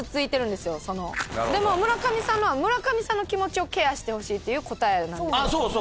でも村上さんのは村上さんの気持ちをケアしてほしいっていう答えなんですよね。